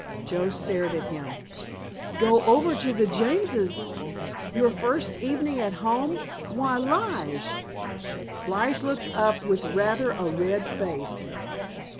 Joe stared at him. "Go over to the Jameses? Your first evening at home! Why, Lige!" Lige looked up with rather a red face.